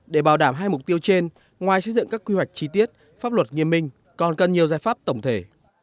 để bảo đảm hai mục tiêu trên ngoài xây dựng các quy hoạch chi tiết pháp luật nghiêm minh còn cần nhiều giải pháp tổng thể